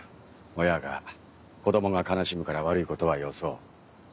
親が子供が悲しむから悪いことはよそう。